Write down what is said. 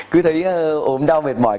cứ thấy ốm đau mệt mỏi